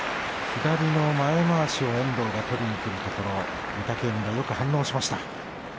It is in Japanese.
左の前まわしを遠藤が取りにくるところ御嶽海がよく反応しました。